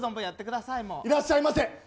いらっしゃいませ！